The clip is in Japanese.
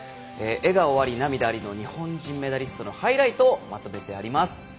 笑顔あり、涙ありの日本人メダリストのハイライトをまとめてあります。